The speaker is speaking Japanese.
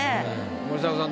森迫さん